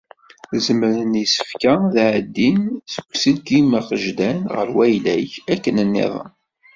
Zemren yisefka ad d-εeddin seg uselkim agejdan ɣer wayla-k, akken nniḍen.